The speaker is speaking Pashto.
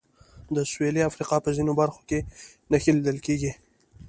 د سوېلي افریقا په ځینو برخو کې نښې لیدل کېږي.